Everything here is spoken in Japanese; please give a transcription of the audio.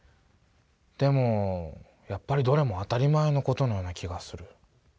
でもやっぱりどれも当たり前のことのような気がする。